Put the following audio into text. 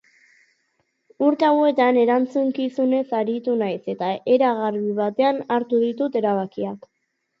Urte hauetan erantzunkizunez aritu naiz eta era garbi batean hartu ditut erabakiak.